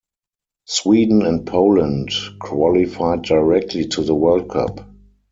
Sweden and Poland qualified directly to the World Cup.